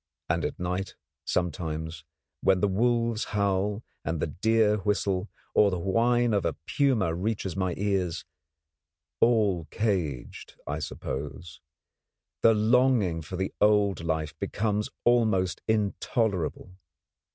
And at night sometimes, when the wolves howl and the deer whistle, or the whine of a puma reaches my ears all caged, I suppose the longing for the old life becomes almost intolerable.